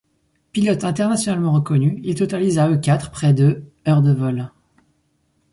Pilotes internationalement reconnus, ils totalisent à eux quatre près de heures de vol.